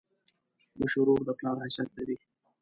مشر ورور د پلار حیثیت لري.